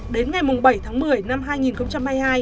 đến ngày bảy tháng một mươi năm hai nghìn hai mươi hai